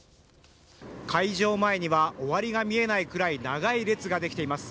会場前には終わりが見えないくらい長い列ができています。